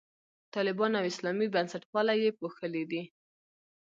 طالبان او اسلامي بنسټپالنه یې پوښلي دي.